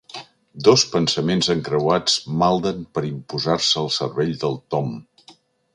Dos pensaments encreuats malden per imposar-se al cervell del Tom.